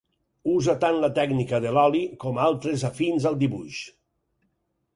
Usa tant la tècnica de l'oli com altres afins al dibuix.